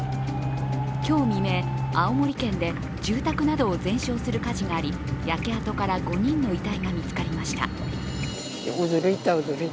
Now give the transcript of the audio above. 今日未明、青森県で住宅などを全焼する火事があり焼け跡から５人の遺体が見つかりました。